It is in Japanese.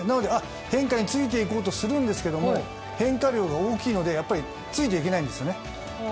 変化についていこうとするんですけど変化量が大きいのでついていけないんですよね。